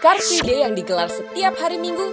car free day yang digelar setiap hari minggu